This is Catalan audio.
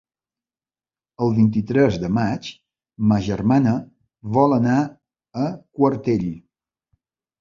El vint-i-tres de maig ma germana vol anar a Quartell.